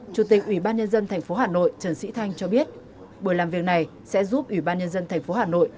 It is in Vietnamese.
chủ tịch ủy ban nhân dân tp hà nội trần sĩ thanh cho biết buổi làm việc này sẽ giúp ủy ban nhân dân tp hà nội